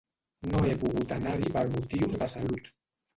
No he pogut anar-hi per motius de salut.